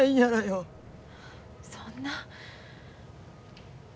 そんな。